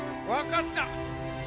分かった！